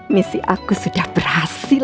misi aku sudah berhasil